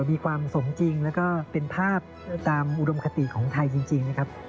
มีความสมจริงแล้วก็เป็นภาพตามอุดมคติของไทยจริงนะครับ